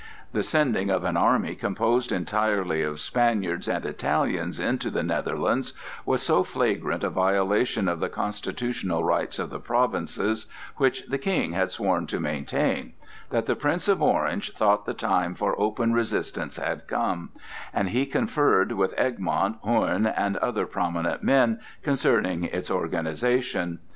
The sending of an army composed entirely of Spaniards and Italians into the Netherlands was so flagrant a violation of the constitutional rights of the provinces, which the King had sworn to maintain, that the Prince of Orange thought the time for open resistance had come, and he conferred with Egmont, Hoorn, and other prominent men concerning its organization.